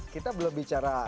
kita belum bicara